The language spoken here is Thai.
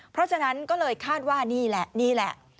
เพราะฉะนั้นก็เลยคาดว่านี่แหละนี่แหละ